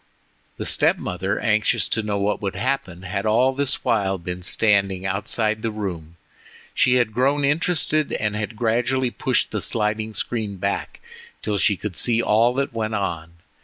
The step mother, anxious to know what would happen, had all this while been standing outside the room. She had grown interested, and had gradually pushed the sliding screen back till she could see all that went on.